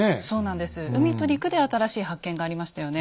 海と陸で新しい発見がありましたよね。